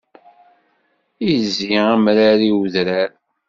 Izzi amrar i udrar.